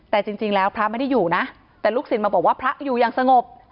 แต่จริงแล้วพระไม่ได้อยู่นะแต่ลูกศิลป์มาบอกว่าพระอยู่อย่างสงบ